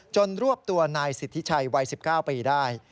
รวบตัวนายสิทธิชัยวัย๑๙ปีได้